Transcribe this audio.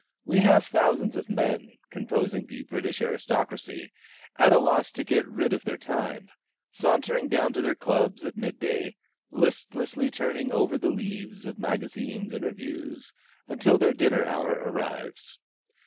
We have thousands of men, composing the British aristocracy, at a loss to get rid of their time; sauntering down to their clubs at mid day; listlessly turning over the leaves of magazines and reviews, until their dinner hour arrives.